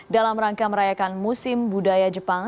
dalam rangka merayakan musim budaya jepang